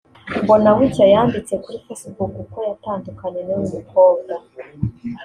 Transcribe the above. Mbonabucya yanditse kuri facebook ko yatandukanye n’uyu mukobwa